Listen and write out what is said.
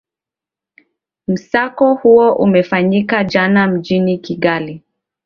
msako huo umefanyika jana mjini kigali